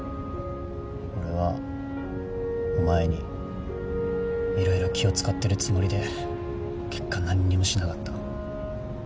俺はお前に色々気を使ってるつもりで結果何にもしなかった。